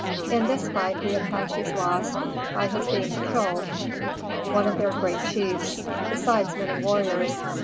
In this fight, the Apaches lost, by his being killed, one of their great chiefs, besides many warriors.